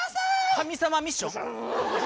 神様ミッション？